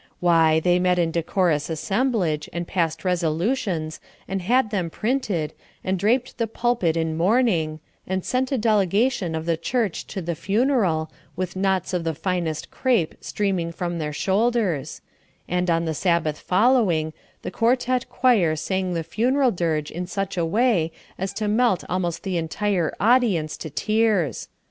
Why, they met in decorous assemblage, and passed resolutions, and had them printed, and draped the pulpit in mourning, and sent a delegation of the church to the funeral, with knots of the finest crêpe streaming from their shoulders; and, on the Sabbath following, the quartette choir sang the funeral dirge in such a way as to melt almost the entire audience to tears.